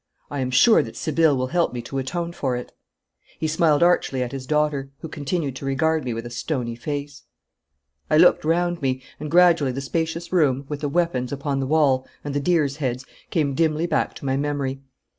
I am sure that Sibylle will help me to atone for it.' He smiled archly at his daughter, who continued to regard me with a stony face. I looked round me, and gradually the spacious room, with the weapons upon the wall, and the deer's heads, came dimly back to my memory.